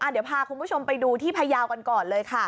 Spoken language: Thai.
เดี๋ยวพาคุณผู้ชมไปดูที่พยาวกันก่อนเลยค่ะ